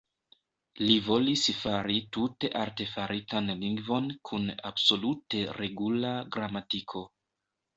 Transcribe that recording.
Li volis fari tute artefaritan lingvon kun absolute regula gramatiko.